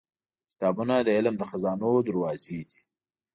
• کتابونه د علم د خزانو دروازې دي.